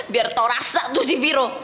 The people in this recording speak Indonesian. biar tau rasa tuh si viro